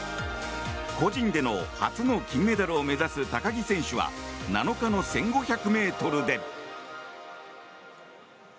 個人での初の金メダルを目指す高木選手は７日の１５００ｍで。